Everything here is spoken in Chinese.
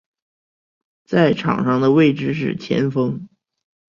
在场上的位置是前锋。